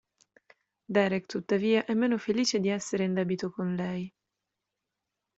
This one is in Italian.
Derek, tuttavia, è meno felice di essere in debito con lei.